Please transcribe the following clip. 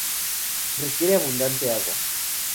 Requiere abundante agua.